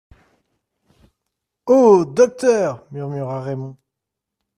Oh ! docteur, murmura Raymond.